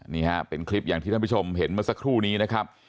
นี่ฮะเป็นคลิปอย่างที่ท่านผู้ชมเห็นเมื่อสักครู่นี้นะครับ